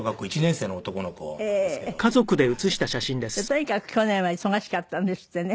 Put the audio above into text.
とにかく去年は忙しかったんですってね